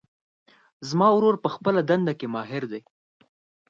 زما ورور په خپلهدنده کې ماهر ده